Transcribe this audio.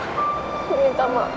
aku akan selalu bersama andi